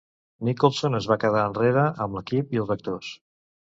Nicholson es va quedar enrere amb l'equip i els actors.